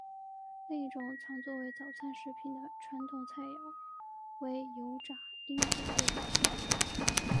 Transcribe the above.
另一种常作为早餐食品的传统菜肴为油炸鹰嘴豆饼。